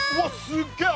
すっげえ！